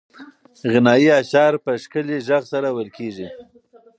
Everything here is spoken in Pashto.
غنایي اشعار په ښکلي غږ سره ویل کېږي.